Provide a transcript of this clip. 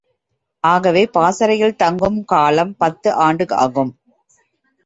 ஆகவே, பாசறையில் தங்கும் காலம் பத்து ஆண்டு ஆகும்.